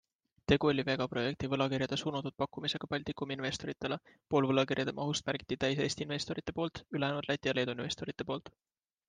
Tegu oli Vega projekti võlakirjade suunatud pakkumisega Baltikumi investoritele - pool võlakirjade mahust märgiti täis Eesti investorite poolt, ülejäänud Läti ja Leedu investorite poolt.